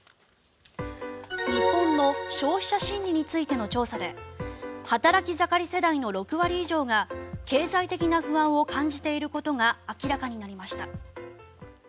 日本の消費者心理についての調査で働き盛り世代の６割以上が経済的な不安を感じていることが明らかになりました。